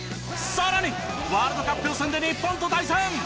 さらにワールドカップ予選で日本と対戦！